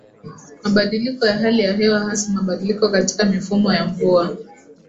Mabadiliko ya hali ya hewa hasa mabadiliko katika mifumo ya mvua